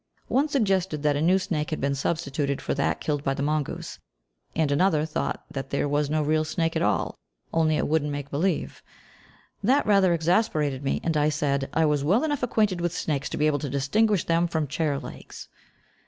One suggested that a new snake had been substituted for that killed by the mongoose, and another thought that there was no real snake at all, only a wooden make believe. That rather exasperated me, and I said I was well enough acquainted with snakes to be able to distinguish them from chair legs.